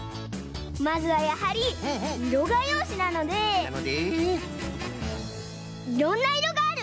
まずはやはりいろがようしなので「いろんないろがある」です。